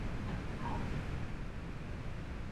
فارمسي پوهنځۍ بې دلیله نه تړل کیږي.